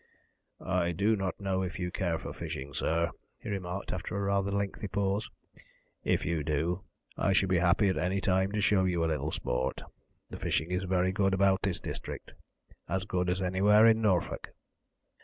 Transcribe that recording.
"I do not know if you care for fishing, sir," he remarked, after a rather lengthy pause. "If you do, I should be happy at any time to show you a little sport. The fishing is very good about this district as good as anywhere in Norfolk."